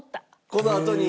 このあとに？